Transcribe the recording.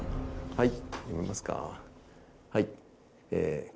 はい。